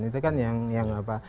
itu kan yang apa